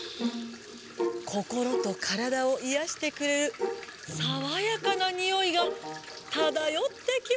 こころとからだをいやしてくれるさわやかなにおいがただよってきます。